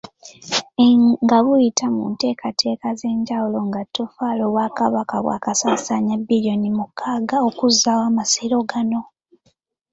Nga buyita mu nteekateeka ez'enjawulo nga Ettoffaali, Obwakabaka bwakasaasaanya bbiriyooni mukaaga okuzaawo amasiro gano.